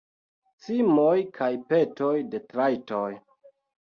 Cimoj kaj petoj de trajtoj.